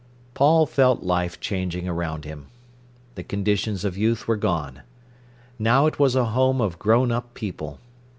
Paul felt life changing around him. The conditions of youth were gone. Now it was a home of grown up people.